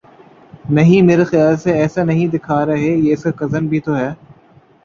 نہیں میرے خیال سے ایسا نہیں دکھا رہے یہ اس کا کزن بھی تو ہے